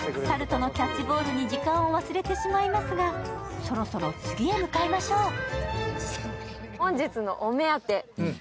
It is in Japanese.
猿とのキャッチボールに時間を忘れてしまいますが、そろそろ次へ向かいましょう。